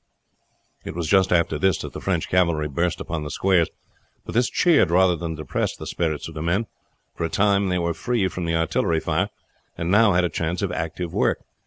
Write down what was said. It was just after this that the French cavalry burst upon the squares; but this cheered rather than depressed the spirits of the men. For a time they were free from the artillery fire, and now had a chance of active work.